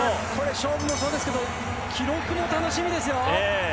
勝負もそうですけど記録も楽しみですよ！